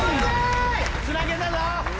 つなげたぞ！